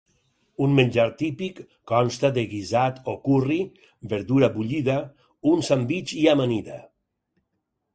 Un menjar típic consta de guisat o curri, verdura bullida, un sandvitx i amanida.